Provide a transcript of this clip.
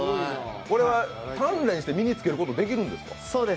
これは鍛錬して身に付けることできるんですか？